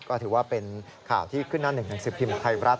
ก็ถือว่าเป็นข่าวที่ขึ้นหน้าหนึ่งหนังสือพิมพ์ไทยรัฐ